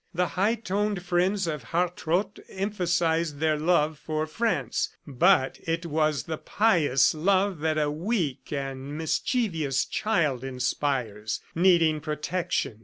The high toned friends of Hartrott emphasized their love for France, but it was the pious love that a weak and mischievous child inspires, needing protection.